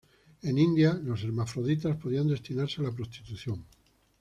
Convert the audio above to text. En India, los hermafroditas podían destinarse a la prostitución.